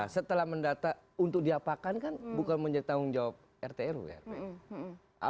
setelah mendata untuk diapakan kan bukan menjadi tanggung jawab rtrw rw